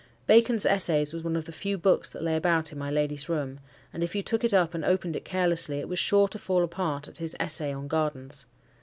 "Bacon's Essays" was one of the few books that lay about in my lady's room; and if you took it up and opened it carelessly, it was sure to fall apart at his "Essay on Gardens."